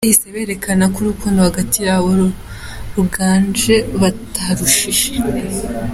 Bahise berekana ko urukundo hagati yabo ruganje bataruhishira